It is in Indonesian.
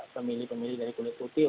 pemilih pemilih dari kulit putih